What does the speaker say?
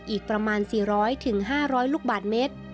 อีกประมาณ๔๐๐๕๐๐ลูกบาทเมตร